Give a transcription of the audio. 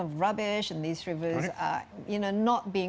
anda tahu tidak digunakan dengan baik